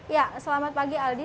ya selamat pagi aldi